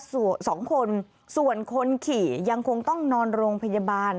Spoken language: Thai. ส่วนสองคนส่วนคนขี่ยังคงต้องนอนโรงพยาบาล